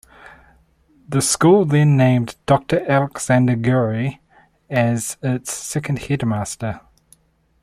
The school then named Doctor Alexander Guerry as its second headmaster.